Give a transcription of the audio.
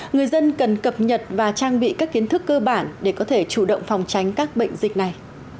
người dân cần cập nhật và trang bị các kiến thức cơ bản để có thể chủ động phòng tránh các bệnh dịch này